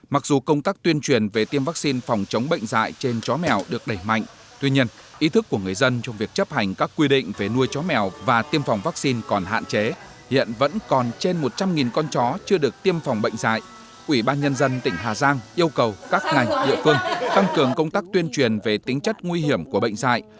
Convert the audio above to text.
mặc dù công tác tuyên truyền về tiêm vaccine phòng chống bệnh dại trên chó mèo được đẩy mạnh tuy nhiên ý thức của người dân trong việc chấp hành các quy định về nuôi chó mèo và tiêm phòng vaccine còn hạn chế hiện vẫn còn trên một trăm linh con chó chưa được tiêm phòng bệnh dại